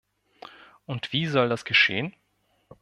Und wie soll das geschehen?